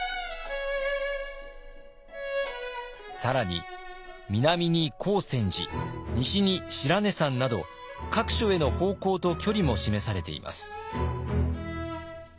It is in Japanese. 更に南に光泉寺西に白根山など各所への方向と距離も示されています。